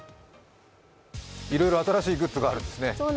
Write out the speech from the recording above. いろいろ新しいグッズがあるんですね。